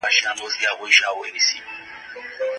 هغه خپل قدرت له لاسه ورکړی و.